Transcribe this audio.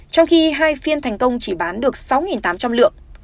trong khi hai phiên thành công chỉ bán được sáu tám trăm linh lượng